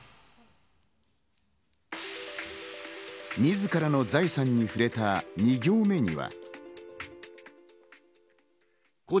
自らの財産に触れた２行目には。